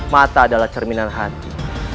mata adalah cerminan hati